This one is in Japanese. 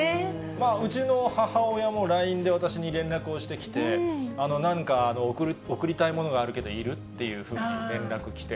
うちの母親もＬＩＮＥで私に連絡をしてきて、なんか送りたいものがあるけどいる？っていうふうに連絡来て。